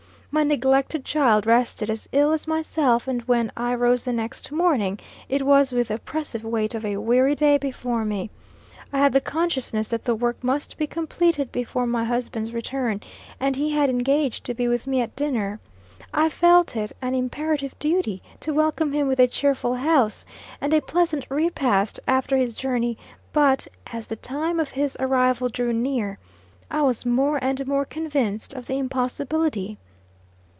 My neglected child rested as ill as myself, and when I rose the next morning, it was with the oppressive weight of a weary day before me. I had the consciousness that the work must be completed before my husband's return; and he had engaged to be with me at dinner. I felt it an imperative duty to welcome him with a cheerful house, and a pleasant repast after his journey; but as the time of his arrival drew near, I was more and more convinced of the impossibility.